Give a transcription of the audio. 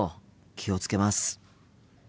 気を付けます。